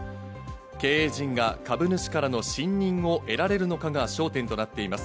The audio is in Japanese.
経営陣が株主からの信任を得られるのかが焦点となっています。